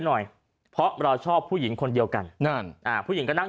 หน่อยเพราะเราชอบผู้หญิงคนเดียวกันนั่นอ่าผู้หญิงก็นั่ง